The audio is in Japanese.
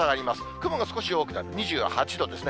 雲が少し多くなって、２８度ですね。